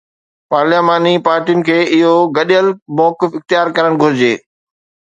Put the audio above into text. پارلياماني پارٽين کي اهو گڏيل موقف اختيار ڪرڻ گهرجي.